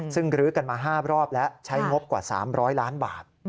ซึ่งลื้อกันมา๕รอบแล้วใช้งบกว่า๓๐๐ล้านบาท